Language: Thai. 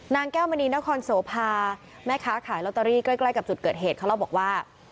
นางแก้วมณีนครโสภาแม่ค้าขายลอตเตอรี่ใกล้กับจุดเกิดเหตุเขาเล่าบอกว่า